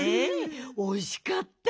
おいしかった。